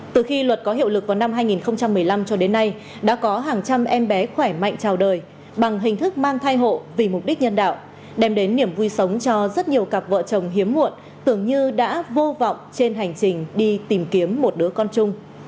từ khi luật có hiệu lực vào năm hai nghìn một mươi năm cho đến nay đã có hàng trăm em bé khỏe mạnh trào đời bằng hình thức mang thai hộ vì mục đích nhân đạo đem đến niềm vui sống cho rất nhiều cặp vợ chồng hiếm muộn tưởng như đã vô vọng trên hành trình đi tìm kiếm một đứa con chung